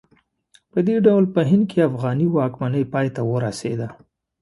په دې ډول په هند کې افغاني واکمنۍ پای ته ورسېده.